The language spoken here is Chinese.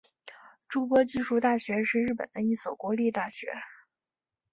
筑波技术大学是日本的一所国立大学。